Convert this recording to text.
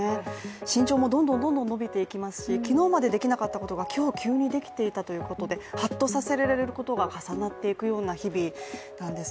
身長もどんどん伸びていきますし昨日までできなかったことが今日急にできてたということで、はっとさせられることが重なっていくような日々なんです。